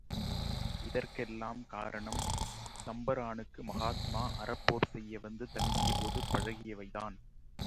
இதற்கெல்லாம் காரணம், சம்பரானுக்கு மகாத்மா அறப்போர் செய்ய வந்து தங்கிய போது பழகியவைதான்.